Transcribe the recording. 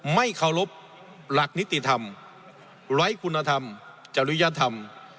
ไม่เคารพหลักนิติธรรมไร้คุณธรรมจริยธรรม